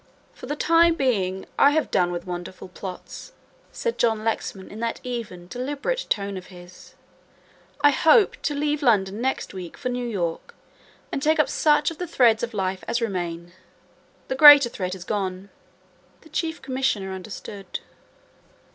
"For the time being I have done with wonderful plots," said John Lexman in that even, deliberate tone of his. "I hope to leave London next week for New York and take up such of the threads of life as remain. The greater thread has gone." The Chief Commissioner understood.